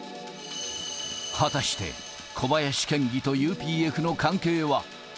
果たして小林県議とＵＰＦの関係は。